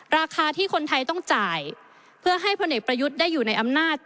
ราคาที่คนไทยต้องจ่ายเพื่อให้พลเอกประยุทธ์ได้อยู่ในอำนาจ